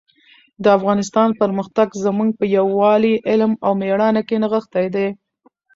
د افغانستان پرمختګ زموږ په یووالي، علم او مېړانه کې نغښتی دی.